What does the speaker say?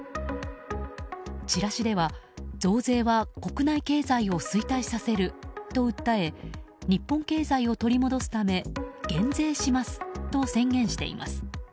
チラシでは、増税は国内経済を衰退させると訴え日本経済を取り戻すため減税します！と宣言しています。